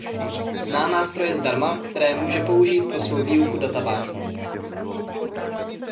Zná nástroje zdarma, které může použít pro svou výuku databází.